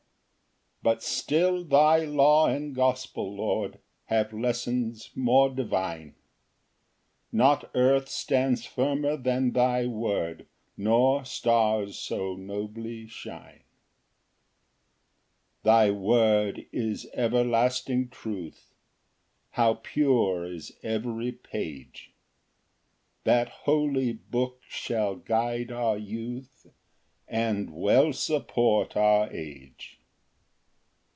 7 But still thy law and gospel, Lord, Have lessons more divine; Not earth stands firmer than thy word, Nor stars so nobly shine.] Ver. 160 140 9 116. 8 Thy word is everlasting truth; How pure is every page! That holy book shall guide our youth, And well support our age.